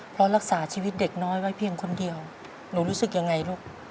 เพราะรักษาชีวิตเด็กน้อยไว้เพียงคนเดียวหนูรู้สึกยังไงลูก